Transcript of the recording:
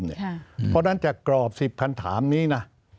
เพราะฉะนั้นจากกรอบ๑๐คำถามนี้นะ